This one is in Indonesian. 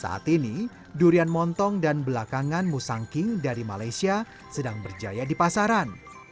saat ini durian montong dan belakangan musangking dari malaysia sedang berjaya di pasaran